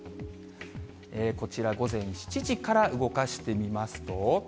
こちら午前７時から動かしてみますと。